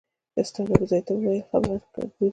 استاد ابوزید ته وویل ناخبره ګیر شوم.